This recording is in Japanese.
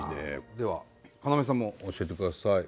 では要さんも教えてください。